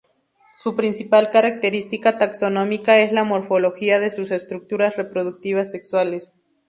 Su principal característica taxonómica es la morfología de sus estructuras reproductivas sexuales.